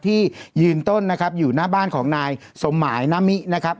ที่ยืนต้นนะครับอยู่หน้าบ้านของนายสมหมายนามินะครับ